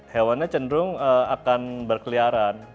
hewannya cenderung akan berkeliaran